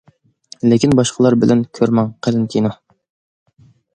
لېكىن باشقىلار بىلەن كۆرمەڭ، قېلىن كىنو.